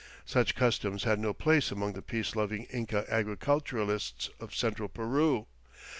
Such customs had no place among the peace loving Inca agriculturists of central Peru.